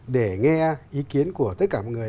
để nghe ý kiến của tất cả mọi người